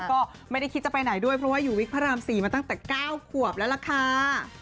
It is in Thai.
ก็ไม่ได้คิดจะไปไหนด้วยเพราะว่าอยู่วิกพระราม๔มาตั้งแต่๙ขวบแล้วล่ะค่ะ